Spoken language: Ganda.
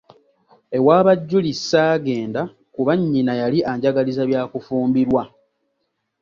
Ewa ba Julie ssaagenda kuba nnyina yali anjagaliza bya kufumbirwa.